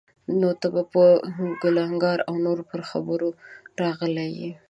نو ته به کلنکار او نوی پر خبرو راغلی یې.